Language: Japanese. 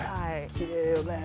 きれいよね。